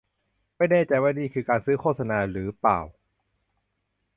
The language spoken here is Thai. ไม่แน่ใจว่านี่คือการซื้อโฆษณาหรือเปล่า